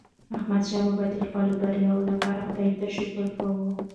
احمدشاه بابا د خپلو بریاوو لپاره خداي ته شکر کاوه.